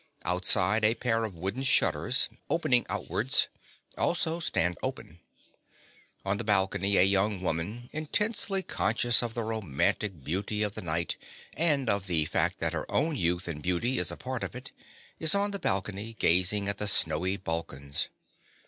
Outside a pair of wooden shutters, opening outwards, also stand open. On the balcony, a young lady, intensely conscious of the romantic beauty of the night, and of the fact that her own youth and beauty is a part of it, is on the balcony, gazing at the snowy Balkans.